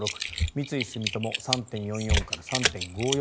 三井住友３．４４から３．５４